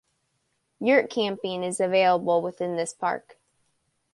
Yurt camping is available within this park.